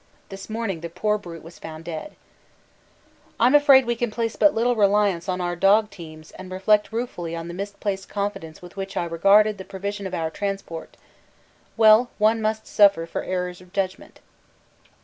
This morning the poor brute was found dead. I'm afraid we can place but little reliance on our dog teams and reflect ruefully on the misplaced confidence with which I regarded the provision of our transport. Well, one must suffer for errors of judgment.